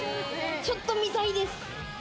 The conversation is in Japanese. ちょっとみたいです。